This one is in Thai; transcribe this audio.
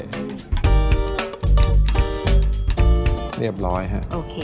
เรียบร้อยค่ะ